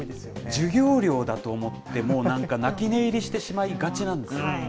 授業料だと思って、なんかね、泣き寝入りしてしまいがちなんですよね。